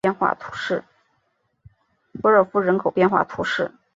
波热夫人口变化图示